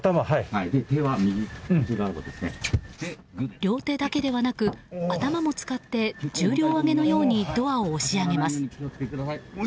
両手だけではなく頭も使って重量挙げのようにドアを押し上げます。